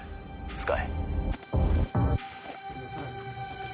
使え。